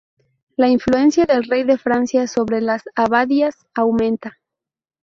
La influencia del rey de Francia sobre las abadías aumenta.